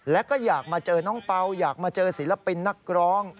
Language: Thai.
และก็อยากมาเจอน้องเปล่าอยากมาเจอศิลปินนักร้อง